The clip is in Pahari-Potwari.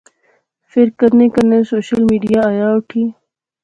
فیر کنے کنے سوشل میڈیا آیا اٹھی